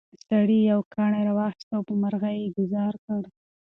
سړي یو کاڼی راواخیست او په مرغۍ یې ګوزار وکړ.